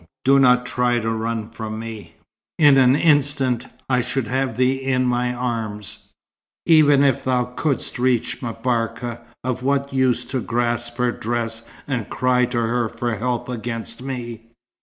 do not try to run from me. In an instant I should have thee in my arms. Even if thou couldst reach M'Barka, of what use to grasp her dress and cry to her for help against me?